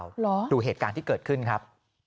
เหรอดูเหตุการณ์ที่เกิดขึ้นครับ